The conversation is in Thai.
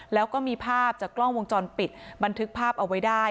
แล้วก็มีภาพจากกล้องวงจรปิดบันทึกภาพเอาไว้ได้